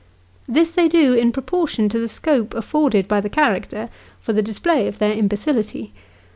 This they do, in proportion to the scope afforded by the character for the display of their imbecility.